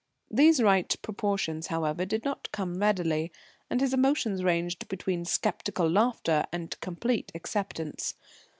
These right proportions, however, did not come readily, and his emotions ranged between sceptical laughter and complete acceptance.